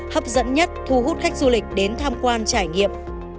hấp dẫn nhất thu hút khách du lịch đến tham quan trải nghiệm